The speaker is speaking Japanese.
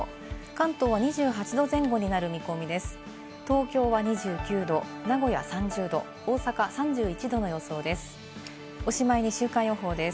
関東は２８度前後になる見込みです。